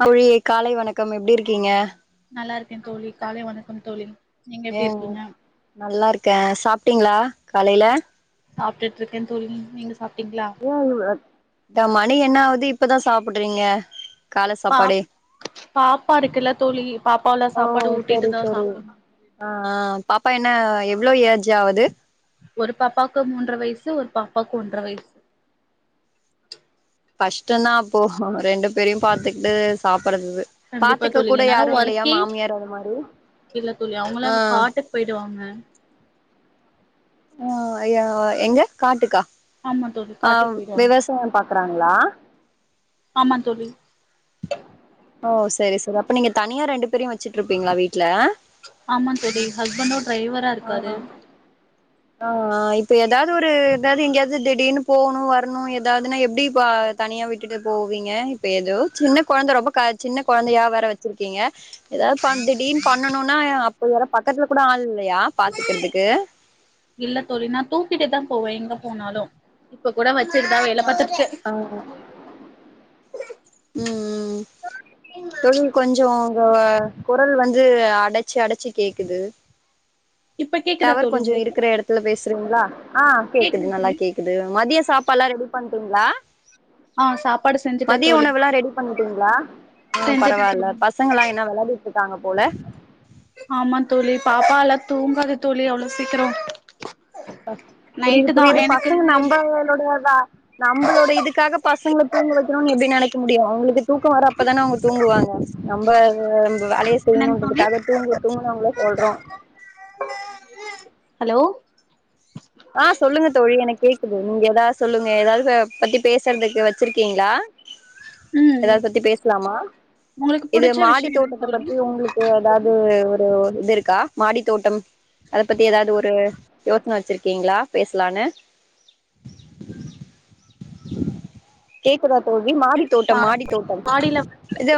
தோழியே காலை வணக்கம் எப்டிருக்கீங்க நல்லாருக்க தோழி காலை வணக்கம் தோழி நீங்க எப்டி எங் இருக்கீங்க நல்லாருக்க சாப்ட்டீங்களா காலைல சாப்ட்டுட்டுயிருக்கே தோழி நீங்க சாப்ட்டீங்களா [unintelligible] மணி என்னகுது இப்பதா சாப்புட்றீங்க கால பாப் சாப்பாடே பாப்பா இருக்குல்ல தோழி பாப்பாவெல்லா சாப்பாடு ஊட்டிட்டுதான் சாப்பிடணு அ அ பாப்பா என்ன எவ்ளோ ஏஜ் ஆவுது ஒரு பாப்பாக்கு மூன்ற வயசு ஒரு பாப்பாக்கு ஒன்ற வயசு கஷ்டந்தா அப்போ ரெண்டு பேரையு பாத்துக்கிட்டு பாக்கறது கண்டிப்பா பாத்துக்க தோழி கூட என்னால யாரு இல்லையா ஒர்க்கே மாமியார் ஒரு மாறி இல்ல தோழி அவங்களா காட்டுக் போய்டுவாங்க ம் யா எங்க காட்டுக்கா ஆமா தோழி அ காட்டுக்கு போயிடுவாங்க விவசாயம் பாக்குறாங்களா ஆமா தோழி ஓ சரி சரி அப்ப நீங்க தனியா ரெண்டு பேரையு வச்சிட்டு இருப்பீங்களா வீட்ல ஆமா தோழி ஹஸ்பண்டு டிரைவரா இருக்காரு அ இப்ப ஏதாவது ஒரு ஏதாவது எங்கேயாவது திடீர்னு போணு வர்ணு ஏதாவதுன்னா எப்படி இப்ப தனியா விட்டுட்டு போவீங்க இப்ப ஏதோ சின்ன குழந்தை ரொம்ப சின்ன குழந்தையா வேற வச்சிருக்கீங்க ஏதாவ் பண் திடீன் பண்ணனோனா அப்ப யார பக்கத்துல கூட ஆள் இல்லையா பாத்துக்கிற்துக்கு இல்ல தோழி நா தூக்கிட்டுதா போவே எங்க போனாலு இப்ப கூட வச்சிட்டுதா வேலை பாத்துட்டு இருக்கே ம் ம் ம் தோழி கொஞ்சோ உங்க குரல் வந்து அடைச்சு அடைச்சு கேக்குது இப்ப கேக்குதா டவர் தோழி கொஞ்ச உங்களுக்கு இருக்கிற இடத்துல பேசுறீங்களா ஆ கேக்குது கேக்குதுங் நல்லா தோழி கேக்கு அது மதிய சாப்பாடெல்லா ரெடி பண்ட்டீங்களா ஆ சாப்பாடு செஞ்சுட்டே மதிய தோழி உணவெல்லா ரெடி பண்ணிட்டீங்களா அ செஞ்சுட்டே பரவால்ல தோழி ப பசங்களா என்ன விளையாடிட்டு இருக்காங்க போல ஆமா தோழி பாப்பா எல்லா தூங்காது தோழி அவ்ளோ சீக்கிர புரியுது புரியுது எனக்கு பசங்க நம்பளுடையத நம்மளோட இதுக்காக பசங்கள தூங்க வைக்கணும்னு எப்படி நினைக்க முடியும் அவங்களுக்கு தூக்கோ வர அப்பதானே அவங்க தூங்குவாங்க நம்போ வேலய என்னங் தோழி செய்ணுன்றதுக்காக தூங்கு தூங்குன்னு அவங்ள சொல்றோ ஹலோ ஆ சொல்லுங்க தோழி எனக்கு கேக்குது நீங்க ஏதாவது சொல்லுங்க ஏதாவது பத்தி பேசுறதுக்கு வச்சிருக்கீங்களா ம் ஏதாவ்து பத்தி பேசலாமா உங்களுக்கு இது புடிச்ச மாடி விஷ்யோ என்னங் தோட்டத்த தோழி பத்தி உங்குளுக் ஏதாவது ஒரு இது இருக்கா மாடி தோட்டம் அதை பத்தி ஏதாவது ஒரு யோசனை வச்சிருக்கீங்களா பேசலான்னு கேக்குதா தோழி மாடி மா தோட்டம் மாடி தோட்டம் மாடில இத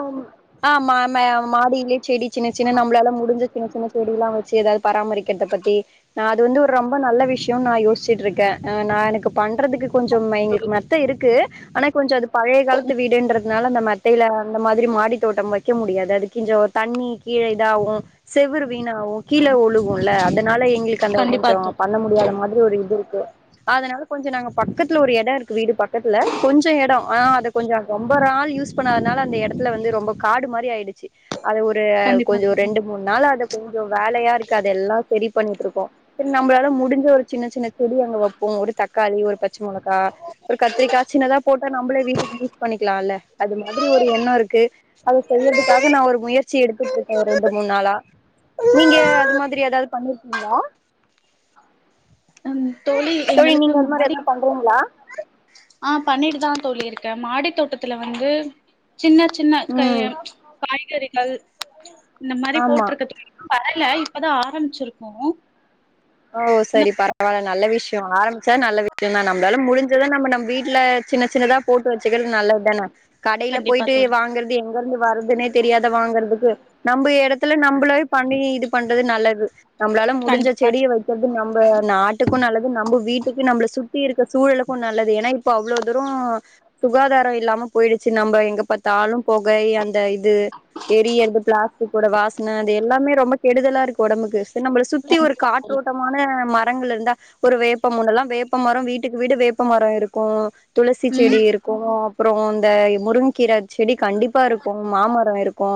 ஆமா மா மாடியிலயே செடி சின்ன சின்ன நம்மளால முடிஞ்ச சின்ன சின்ன செடி எல்லா வச்சு ஏதாவது பராமரிக்கிறத பத்தி நா அது வந்து ஒரு ரொம்ப நல்ல விஷயம்னு நா யோசிச்சிட்டு இருக்கே அ நா எனக்கு பண்றதுக்கு கொஞ்சம் மயங் மத்த இருக்கு ஆனா கொஞ்ச அது பழைய காலத்து வீடுன்றது அன்னால அந்த மத்தைல அந்த மாதிரி மாடி தோட்டம் வெக்க முடியாது அதுக்குஞ்சோ தண்ணி கீழே இதாகோ செவுறு வீணாவு கீழ ஒழுகும்ல்ல அதனால எங்களுக்கு அந்த கண்டிப்பா கொஞ்ச தோ பண்ண முடியாத மாதிரி ஒரு இது இருக்கு அதனால கொஞ்சோ நாங்க பக்கத்துல ஒரு எடோ இருக் வீடு பக்கத்துல கொஞ்சோ எடோ ஆ அத கொஞ்சோ ரொம்ப நாள் யூஸ் பண்ணாதனால அந்த எடத்துல வந்து ரொம்ப காடு மாரி ஆய்டுச்சு அது ஒரு கண்டிப்பா கொஞ்சோ தோழி ரெண்டு மூண் அன்னால அத கொஞ்சோ வேலயா இருக்கா அதெல்லா சரி பண்ணிட்டு இருக்கோ சரி நம்பளால முடிஞ்ச ஒரு சின்ன சின்ன செடி அங்க வெப்போ ஒரு தக்காளி ஒரு பச்ச மொளக்கா கத்திரிக்கா சின்னதா போட்டா நம்பளே வீட்டுக்கு யூஸ் பண்ணிக்கலால்ல அது மாதிரி ஒரு எண்ணோஇருக்கு அத செய்யறதுக்காக நா ஒரு முயற்சி எடுத்துட்டு இருக்கே ரெண்டு மூணு நாளா நீங்க அது மாதிரி ஏதாவது பண்ணிருக்கீங்களா ம் தோழி தோழி எங்களுக்கு நீங்க அது மாரி மாடி ஏதாவ் பண்றீங்களா ஆ பண்ணிட்டு தா தோழி இருக்க மாடி தோட்டத்துல வந்து சின்ன சின்ன கைய ம் காய்கறிகள் இந்த மாறி ஆமா போட்டிருக்க தோழி வரல இப்பதா ஆரம்பிச்சிருக்கோ ஓ இன்னு சரி பரவால்ல நல்ல விஷ்யோ ஆரம்பிச்சா நல்ல விஷ்யோ தா நம்பளால முடிஞ்சத நம்ப நம் வீட்ல சின்ன சின்னதா போட்டு வச்சுக்கறது நல்லது தானா கடைல கண்டிப்பா போயிட்டு தோழி வாங்கறது எங்க இருந்து வருதுன்னே தெரியாத வாங்கறதுக்கு நம்ப இடத்துல நம் நம்மளாவே பண்ணி இது பண்றது நல்லது நம்மளால முடிஞ்ச் கண்டிப்பா செடிய வெக்கறது நம்ம நாட்டுக்கு நல்லது நம்ம வீட்டுக்கு நம்மள சுத் சுத்தி இருக்க சூழலுக்கு நல்லது ஏன்னா இப்ப அவ்ளோ தூரம் சுகாதாரோ இல்லாம போய்டுச்சு நம்ப எங்க பாத்தாலும் பொக அந்த இது எரியறது பிளாஸ்டிக்கோட வாசன அது எல்லாமே ரொம்ப கெடுதலா இருக்கு உடம்புக்கு நம்மள சுத்தி ஒரு கண்டிப்பா தோழி காற்றோட்டமான மரங்கள் இருந்தா ஒரு வேப்பம் முன்னல்லா வேப்ப மரோ வீட்டுக்கு வீடு வேப்பமரோ இருக்கோ துளசி செடி ம் இருக்கோ அப்புற இந்த முருங்க்கீர செடி கண்டிப்பா இருக்கோ மாமர இருக்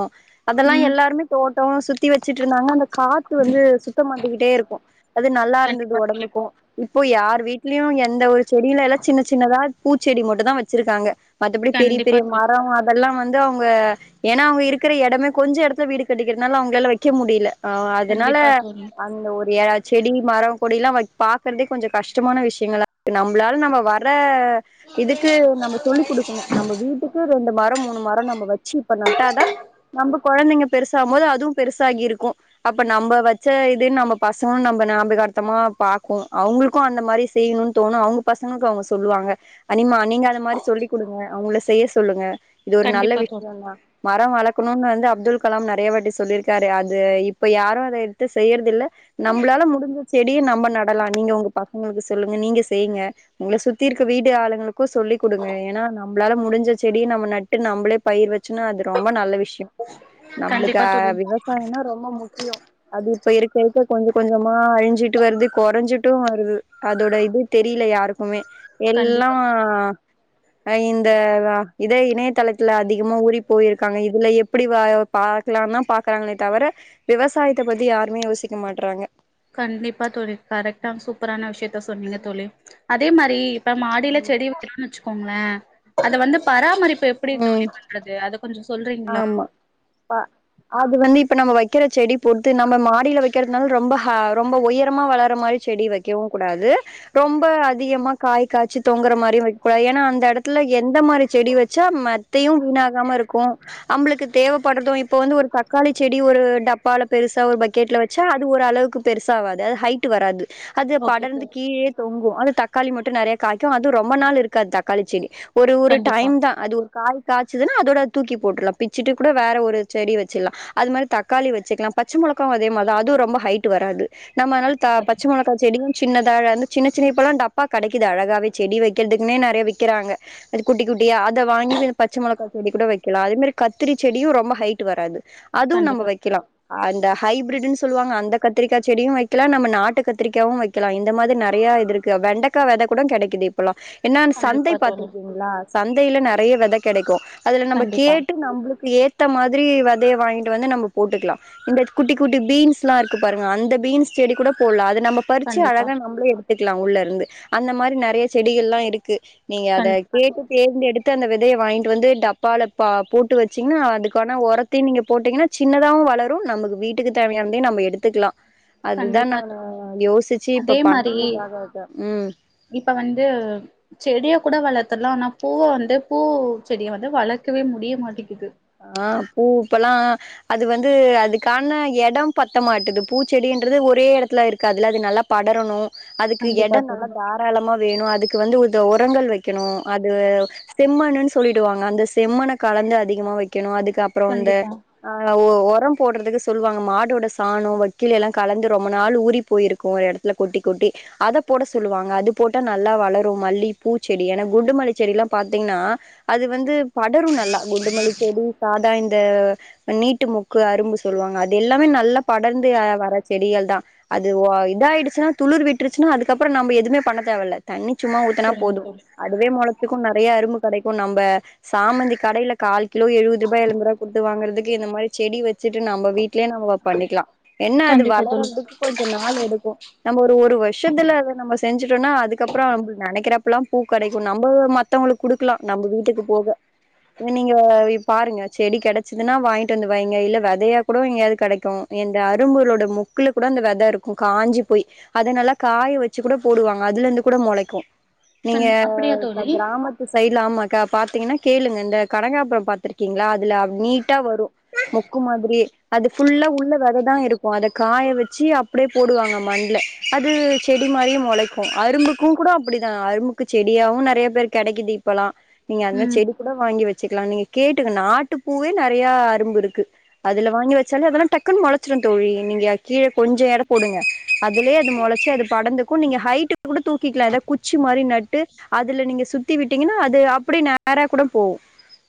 அதெல்லா ம் எல்லாருமே தோட்டம் சுத்தி வச்சுட்டு இருந்தாங்க அந்த காத்து வந்து சுத்த மாட்டிக்கிட்டு டே இருக்கும் அது நல்லா இருந்தது கண்டிப்பா தோழி உடம்புக்கு இப்போ யார் வீட்லயு எந்த ஒரு செடில எல்லா சின்ன சின்னதா பூச்சடி மட்டு தா வச்சிருக்காங்க மத்தபடி பெரிய கண்டிப்பா பெரிய தோழி மரம் எல்லா வந்து அவங்க ஏனா அவங்க இருக்கற எடமே கொஞ்சோ எடத்துல வீடு கட்டிக்கிறனால அவங்களால வெக்க முடில அ அதனால கண்டிப்பா தோழி அந்த ஒரு இல செடி மரம் கொடி எல்லா வெக் பாக்குறதே கொஞ்ச கஷ்டமான விஷயங்களா இப்ப நம்ளால நம்ம வர அ இதுக்கு நம்ம சொல்லி் குடுக்கணு நம்ம வீட்டுக்கு ரெண்டு மரம் மூணு மரம் நம்ம வச்சி இப்ப நட்டாதா நம்ப கொழந்தைங்க பெருசாம் மோது அதுவு பெருசாகி இருக்கோ அப்ப நம்ப வச்ச இ தென் நம்ம பசங்கோ நம்ப ஞாபகார்த்தமா பாக்கோ அவங்ளுக்கோ அந்த மாரி செய்ணோனு தோணு அவங்க பசங்களுக்கு அவங்க சொல்லுவாங்க அனிமா நீங்க அந்த மாரி சொல்லி் குடுங்க அவங்கள செய்ய சொல்லுங்க இது ஒரு நல்ல கண்டிப்பா தோழி விஷயம் தா மரம் வளர்க்கணும்னு வந்து அப்துல் கலாம் நிறைய வாட்டி சொல்லியிருக்காரு அது இப்ப யாரு அத எடுத்து செய்யறது இல்லை நம்பளால முடிஞ்ச செடியு நம்ப நடலா நீங்க உங்க பசங்களுக்கு சொல்லுங்க நீங்க செய்ங்க உங்களை சுத்தி இருக்க வீடு ஆளுங்களுக்கு சொல்லி் குடுங்க ஏனா நம்மளால முடிஞ்ச செடிய நம்ம நட் ட்டு நம்பளே பயிர் வச்சுன்னா அது ரொம்ப நல்ல விஷ்யோ நம்ளுக்கு கண்டிப்பா அ தோழி விவசாயம்னா ரொம்ப முக்கியோ அது இப்ப இருக்க இருக்க கொஞ்ச கொஞ்சமா அழிஞ்சிட்டு வருது குறைஞ்சிட்டு வருது அதோட இது தெரில யாருக்குமே எல்லா கண்டிப்பா இந்த இதே இணைய தளத்துல அதிக் அதிகமா ஊறி போயிருக்காங்க இதுல எப்படி வ பாக்கலா தா பாக்குறாங்களே தவிர விவசாயத்த பத்தி யாருமே யோசிக்க மாட்றாங்க கண்டிப்பா தோழி கரெக்டா சூப்பரான விஷயத்த சொன்னீங்க தோழி அதே மாரி ப்ப மாடில ஆமா செடி வைக்கறோன்னு வச்சுக்கோங்களே அத வந்து பராமரிப்பு இப்ப எப்டி தோழி ம் பண்றது அத கொஞ்ச சொல்றீங்களா ப அது வந்து இப்ப நம்ம வைக்கற செடி பொறுத்து நம்ம மாடில வைக்கிறதுனால ரொம்ப ஆ ரொம்ப உயரமா வளர மாறி செடி வைக் வக்கவு கூடாது ரொம்ப அதிகமா காய் காய்ச்சி தொங்குற மாரியு வெக் கூடாது ஏன்னா அந்த இடத்துல எந்த மாரி செடி வச் ச்ச மத்தையு வீணாகாம இருக்கு நம்ளுக்கு தேவைப்படுறது இப்ப வந்து ஒரு தக்காளி செடி ஒரு டப்பால பெருசா ஒரு பக்கெட்ல வச்சு ச்ச அது ஓரளவுக்கு பெருசாவாது அது ஹைட்டு வராது அது ஓகே படர்ந்து தோழி. கீழே தொங்கு அது தக்காளி மட்டு நெறைய காய்க்கோ அதுவு ரொம்ப நாள் இருக்காது தக்காளி செடி ஒரு ஒரு கண்டிப்பா டைம் தா அது ஒரு காய் காய்ச்சதுன்னா அதோட தூக்கி போட்டுடலா பிச்சுட்டு கூட வேற ஒரு செடி வச்சிடலா அது மாதிரி தக்காளி வெச்சுக்கலா பச்ச மொளகாவு அதே மாரி அதுவு ரொம்ப ஹைட் வராது நம்ம அதுனால த பச்ச மொளக அப்பா செடியு சின்னத அழக வந்து சின்ன சின்ன இப்பெல்லா டப்பா கிடைக்குது அழகவே செடி வக்கிறதுக்குன்னே நறைய விக்கிறாங்க அது குட்டி குட்டியா அத வாங்கி போய்ப் பச்ச மொளகாய் கொடி கூட வெக்கலா அதே மாதிரி கத்திரி செடியு ரொம்ப ஹைட் வராது அதுவு நம்ம கண்டிப்பா வைக்கலா அந்த ஹைப்பிருடுன்னு சொல்லுவாங்க அந்த கத்திரிக்க் செடியு வைக்கல நம்ம நாட்டு கத்திரிக்காயாவு வைக்க வெக்கலா இந்த மாதிரி நெறையா இது இருக்கு வெண்டக்கா வெதக் கூட கெடைக்குது இப்ப என்ன சந்தை கண்டிப்பா தோழி. பாத்துருக்கீங்களா சந்தையில நெறைய விதை கிடைக்கு அதுல நம்ம கண்டிப்பா கேட்டு நம்மளுக்கு ஏத்த மாதிரி விதைய வாங்கிட்டு வந்து நம்ம போட்டுக்கலா இந்தக் குட்டி குட்டி பீன்ஸ்லா இருக்கு பாருங்க அந்த பீன்ஸ் செடி கூட போடல அது நம்மப் பறிச்சு கண்டிப்பா அழகா நம்மளே எடுத்துக்கலா உள்ள இருந்து அந்த மாதிரி நிறைய செடிகலா இருக்கு நீங்க அத கண்டிப்பா கேட்டு தோழி ந்து எடுத்து அந்த விதைய வாங்கிட்டு வந்து டப்பால ம் போட்டு வச்சீங்கன்னா அதுக்கான ஒரத்தையு நீங்க போட்டீங்கன்னா சின்னதாவு வளரு நமக்கு வீட்டுக்கு தேவையானதையு நம்ம எடுத்துக்கலா அதுதா கண்டிப்பா நா தோழி. யோசிச்சு அதே இப்ப மாரி பண்றதுக்காக ம் இப்ப வந்து செடிய கூட வளர்த்தடலா ஆனா பூவ வந்து பூ செடிய வந்து வளர்க்கவே முடிய மாட்டேக்குது ஆ பூ இப்பெல்லா அது வந்து அதுக்கான எடம் பத்த மாட்டுது பூச்செடின்றது ஒரே எடத்துல இருக்காதுல அது நல்லாப் படரணு அதுக்கு கண்டிப்பா எடம் நல்லா தோழி. தாராளமா வேணு அதுக்கு வந்து ஒரு இந்த உரங்கள் வெக்கணு அது செம்மன்னு சொல்லிடுவாங்க அந்த செம்மண்ன கலந்து அதிகமா வெக்க வெக்கணு அதுக்கு அப்றோ வந்து கண்டிப்பா ஆ உரோ போடுறதுக்கு சொல்லுவாங்க மாடோட சாணம் வக்கீல எல்லா கலந்து ரொம்ப நாள் ஊறி போயிருக்கு கோ ஒரு எடத்துல கொட்டிக் கொட்டி அத போட சொல்லுவாங்க அது போட்டா நல்லா வளரு மல்லி பூச்செடி ஏன்னா குண்டு மல்லி செடி எல்லா பாத்தீங்கன்னா அது வந்து படரு நல்லா குண்டுமல்லி செடி சாதா இந்த நீட்டு மு க்கு அரும்பு சொல்லுவாங்க அது எல்லாமே நல்லாப் படர்ந்து அ வர செடிகள் தா அது இதாயிடுச்சுன்னா துளிர் விட்டுருச்சுன்னா அதுக்கப்றோ நம்ம எதுமே பண்ண தேவையில்ல தண்ணி சும்மா ஊத்தனா சரிங்க போது தோழி. அவே மொளத்துக்கு நிறைய அரும்பு கிடைக்கு நம்ம சாமந்தி கடையில கால் கிலோ எழுபது ரூபா எழபது ரூபா கொடுத்து வுங்கறக்கு இந்த மாதிரி செடி வ வச்சுட்டு நம்ப வீட்லயே நம்ப பண்ணிக்கலா என்ன அது கண்டிப்பா தோழி. வளர்துக்கு கொஞ்ச நாள் எடுக்கு நம்ம ஒரு ஒரு வருஷத்துல அத நம்ம செஞ்சுட்டோன அதுக்கப்றோ நம்ம நெனைக்கிறப்பலா பூ கெடைக்கு நம்ம மத் த்வங்களுக்கு குடுக்கலா நம்ம வீட்டுக்கு போக என்ன நீங்க நீங்க போய் பாருங்க செடி கிடைச்சதுன்னா வாங்கிட்டு வந்து வைங்க இல்ல விதையா கூட எங்கயாவது கிடைக்கு எந்த அரும்புகளோட மொக்குல கூட அந்த வெத இருக்கு காஞ்சி போய் அது நல்லா காய வச்சு கூட போடுவாங்க அதுல இருந்து கூட முளைக்கு நீங்க கண் அப்படியா தோழி கிராம சைடுல ஆமாக்கா பாத்தீங்கன்னா கேளுங்க இந்த கனகாபுர பாத்துருக்க அதுல நீட்டா வரு முக்கு மாதிரியே அது புல்லா உள்ள விததா இருக்கு ஒ அத காய வச்சி அப்டியே போடுவாங்க மண்ல அது செடி மாரியே மொளைக்கு அரும்புப் பூ கூட அப்படிதா அரும்புக்கு செடியாவு நெறைய பேர்க் கெடைக்குது இப்பல்லா நீங்க அது மாதிரி ம் செடி கூட வாங்கி வெக் ச்சுக்கலா நீங்க கேட்டுங்க நாட்டுப்பூவே நெறையா அரும்பு இருக்கு. அதுல வாங்கி வெச்சாலே அதெல்லா டக்குன் மொளச்சிரு தோழி நீங்க அ கீழ கொஞ்சோ எட போடுங்க. அதுலியே அது மொளச்சு அது படந்துக்கு நீங்க ஹைட் கூட தூக்கிக்லா எதா குச்சி மாரி நட்டு அதுல நீங்க சுத்தி விட்டீங்கன்னா அது அப்டே நேரா கூட போவு.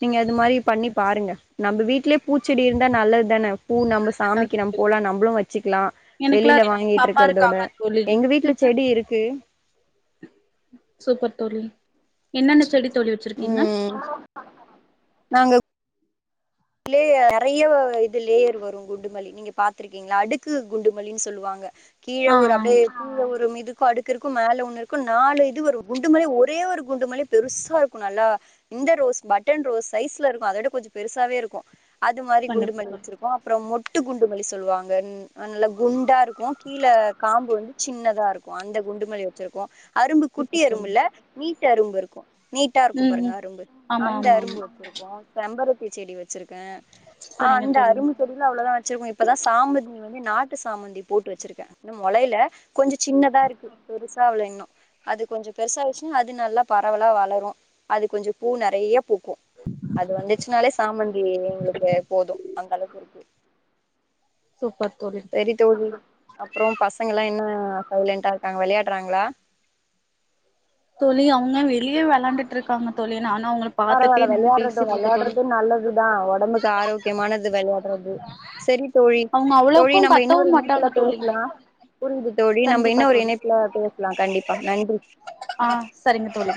நீங்க அது மாரி பண்ணி பாருங்க நம்ப வீட்லியே பூச்செடி இருந்தா நல்லது தான. பூ நம்ப சாமிக்கு நம்ம போலா நம்புளு வெச்சிக்லா எனக்குலா வெளில ரெண்டு பாப்பா வாங்கிட்ருக்கறத விட இருக்காங்க தோழி எங்க வீட்ல செடி இருக்கு. சூப்பர் தோழி என்னென்ன செடி தோழி வெச்சிருக்கீங்க? ம் நாங்க [inaudible] நறைய வ இது லேயர் வரு குண்டுமல்லி நீங்க பாத்திரு க்கீங்ளா அடுக்கு குண்டுமல்லின் சொல்லுவாங்க கீழ ஆ ஒரு அப்டியே கீழ ஒரு மிதுக்கு அடுக்கு இருக்கு மேல ஒன்னு இருக்கு நாலு இது வரு குண்டுமல்லி ஒரே ஒரு குண்டு மல்லி பெருசா இருக்கு நல்லா இந்த ரோஸ் பட்டன் ரோஸ் சைஸ்ல இருக்கு அத விட கொஞ்சோ பெருசாவே இரு க்கு அது மாரி கண்டிப்பா குண்டுமல்லி தோழி வெச்சிருக்கோ அப்புறம் மொட்டு குண்டுமல்லி சொல்லுவாங்கன் அ நல்ல குண்டா இருக்கு கீழ காம்பு வந்து சின்னதா இருக்கு அந்த குண்டு மல்லி வெச்சிருக்கோ. அரும்பு குட்டி சூப்பர் அரும்பு தோழி இல்ல நீட்டு அரும்பு இருக்கு. நீட்டா இருக்கும் ம் பாருங்க ம் அரும்பு ஆமா அந்த ஆமா ஆமா அரும்பு வெச்சிருக்கோ செம்பருத்தி செடி வெச்சிருக்கே. ஆ சரிங்க அந்த தோழி அரும்பு செடில அவ்வளதா வெச்சிருக்கோ இப்பதா சாமதி வந்து நாட்டு சாமந்தி போட்டு வெச்சிருக்கே. இன்னு மொளையில கொஞ்சோ சின்னதா இருக்கு பெருசாவுல இன்னு. அது கொஞ்சோ பெருசாய்ர்ச்சினா அது நல்லா பரவலா வளரு அது கொஞ்சோ பூ நெறைய பூக்கு. அது வந்துச்சுனாலே சாமந்தி எங்குளுக்கு போது அந்தளவுக்கு இருக்கு. சூப்பர் தோழி. செரி தோழி அப்புறோ பசங்கள்லா என்னா சைலண்டா இருக்காங்க வெளையாட்றாங்ளா? தோழி அவுங்க‌ வெ ளில வெளாண்டுட்டு இருக்காங்க தோழி நானு அவுங்ள பரவால்ல பாத்துட்டே நின்னு வெளையாட்றது பேசிட்ருக்கே தோழி. முக்கியமானது வெளையாட்றது செரி தோழி அவங்க தோழி அவ்வளவுக்கு நம்ப கத்தவு இன்னொரு இணைப்புல மாட்டாங்க தோழி பேசலா. புரிஞ்ச்சு தோழி நம்ப கண்டிப்பா இன்னு ஒரு தோழி இணைப்புல பேசலா கண்டிப்பா நன்றி. ஆ சரிங்க தோழி.